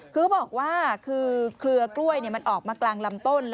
คือบอกว่าคือเครือกล้วยมันออกมากลางลำต้น